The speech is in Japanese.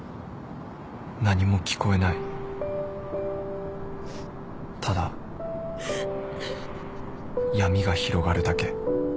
何も聞こえないただ闇が広がるだけ